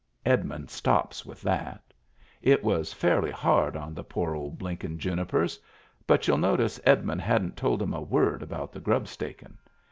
Edmund stops with that It was fairly hard on the poor old blinkin' junipers — but y'ull notice Edmund hadn't told 'em a word about the grubstakin'.